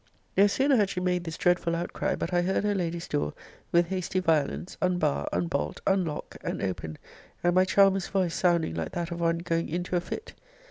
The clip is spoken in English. No sooner had she made this dreadful out cry, but I heard her lady's door, with hasty violence, unbar, unbolt, unlock, and open, and my charmer's voice sounding like that of one going into a fit.